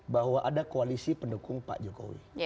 bahwa ada koalisi pendukung pak jokowi